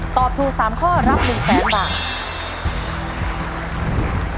ตอบถูก๓ข้อรับ๑๐๐๐๐บาท